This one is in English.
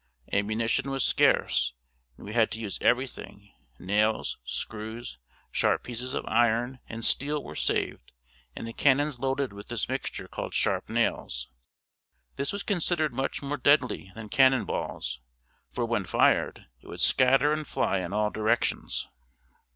Ammunition was scarce and we had to use everything; nails, screws, sharp pieces of iron and steel were saved and the cannons loaded with this mixture called Sharp Nails. This was considered much more deadly than cannon balls, for when fired, it would scatter and fly in all directions.